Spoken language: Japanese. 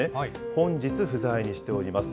本日不在にしております。